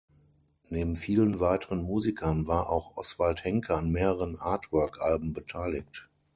Neben vielen weiteren Musikern war auch Oswald Henke an mehreren Artwork-Alben beteiligt.